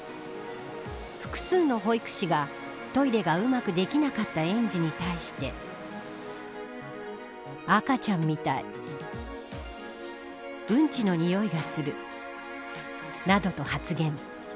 複数の保育士がトイレがうまくできなかった園児に対して。などと発言。